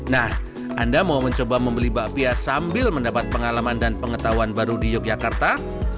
nah anda mau mencoba membeli bakpia sambil mendapat pengalaman dan pengetahuan baru di yogyakarta